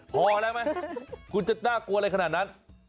พอแล้วไหมคุณจะน่ากลัวอะไรขนาดนั้น